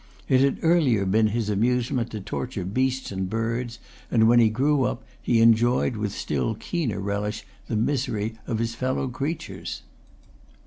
It had early been his amusement to torture beasts and birds; and, when he grew up, he enjoyed with still keener relish the misery of his fellow creatures.